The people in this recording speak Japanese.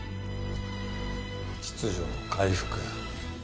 秩序の回復？